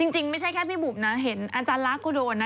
จริงไม่ใช่แค่พี่บุ๋มนะเห็นอาจารย์ลักษ์ก็โดนนะ